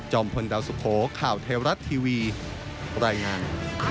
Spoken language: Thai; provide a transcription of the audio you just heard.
พลดาวสุโขข่าวเทวรัฐทีวีรายงาน